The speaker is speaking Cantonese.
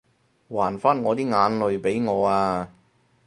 還返我啲眼淚畀我啊